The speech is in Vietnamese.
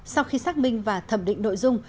sau khi xác minh và thẩm định nội dung